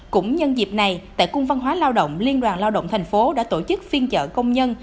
cũng nhân dịp này tại cung văn hóa lao động liên đoàn lao động thành phố đã tổ chức phiên chợ công nhân